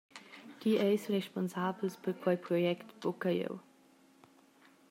Ti eis responsabels per quei project, buca jeu.